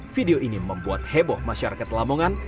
video ini membuat heboh masyarakat lamongan